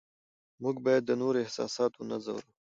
موږ باید د نورو احساسات ونه ځورو